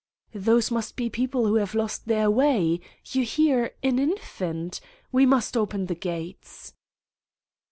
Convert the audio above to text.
" Those must be people who have lost their way ... you hear an infant! We must open the gates.